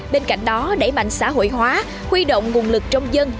bên cạnh đó đẩy mạnh xã hội hóa huy động nguồn lực trong dân